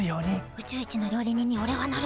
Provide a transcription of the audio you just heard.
宇宙一の料理人におれはなる！